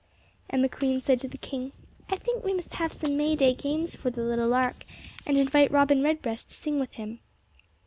And the queen said to the king, "I think we must have some May day games for the little lark, and invite robin redbreast to sing with him."